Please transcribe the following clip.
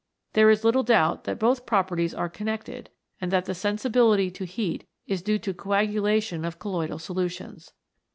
There is little doubt that both properties are connected, and that the sensibility to heat is due to coagula tion of colloidal solutions.